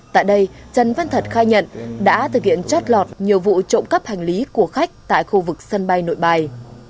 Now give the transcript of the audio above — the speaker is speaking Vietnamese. tại đây trần văn thật khai nhận đã thực hiện chót lọt nhiều vụ trộm cắp hành lý của khách tại khu vực sân bay nội bài